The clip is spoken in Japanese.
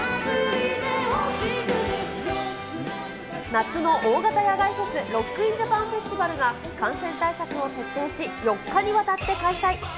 夏の大型野外フェス、ロック・イン・ジャパン・フェスティバルが、感染対策を徹底し、４日にわたって開催。